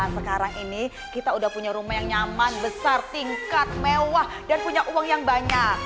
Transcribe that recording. sekarang ini kita udah punya rumah yang nyaman besar tingkat mewah dan punya uang yang banyak